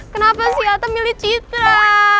kenapa sih ata milih citra